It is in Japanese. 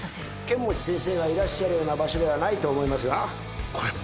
剣持先生がいらっしゃるような場所ではないと思いますが。